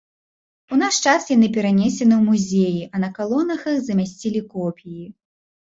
У наш час яны перанесены ў музеі, а на калонах іх замясцілі копіі.